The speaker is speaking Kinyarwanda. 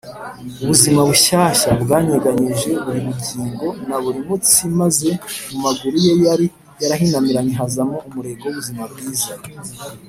Ubuzima bushyashya bwanyeganyeje buri rugingo na buri mutsi, maze mu maguru ye yari yarahinamiranye hazamo umurego w’ubuzima bwiza.